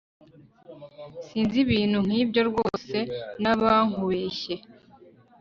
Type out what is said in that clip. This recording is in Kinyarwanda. Sinzi ibintu nkibyo ryose nabankubeshye